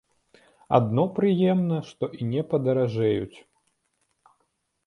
Адно прыемна, што і не падаражэюць.